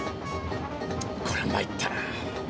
こりゃ参ったな。